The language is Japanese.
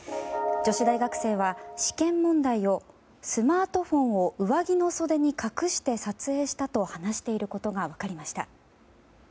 女子大学生は試験問題をスマートフォンを上着の袖に隠して撮影したと話していることが分かりました。